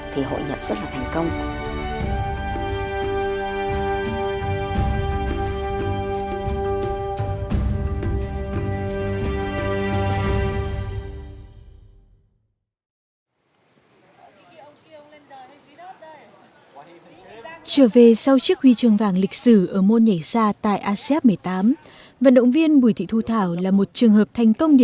thì hội nhập rất là thành công